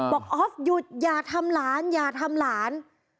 ออฟหยุดอย่าทำหลานอย่าทำหลาน